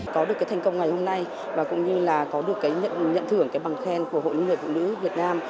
có được thành công ngày hôm nay và cũng như là có được nhận thưởng bằng khen của hội liên hiệp phụ nữ việt nam